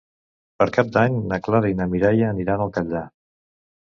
Per Cap d'Any na Clara i na Mireia aniran al Catllar.